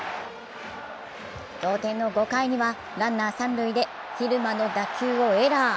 同点の５回には、ランナー三塁で蛭間の打球をエラー。